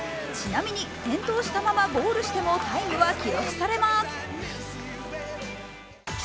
ちなみに、転倒したままゴールしてもタイムは記録されます。